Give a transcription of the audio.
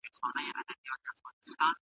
د لويي جرګې له پرېکړو وروسته څه پېښېږي؟